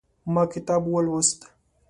ما کتاب ولوست